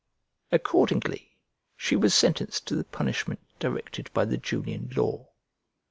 Accordingly, she was sentenced to the punishment directed by the Julian law.